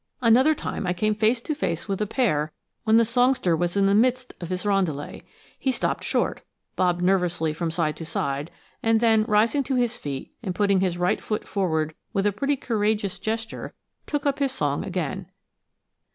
Another time I came face to face with a pair when the songster was in the midst of his roundelay. He stopped short, bobbed nervously from side to side, and then, rising to his feet and putting his right foot forward with a pretty courageous gesture, took up his song again.